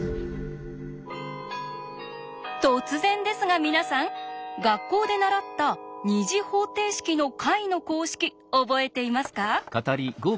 突然ですが皆さん学校で習った２次方程式の解の公式おぼえていますか？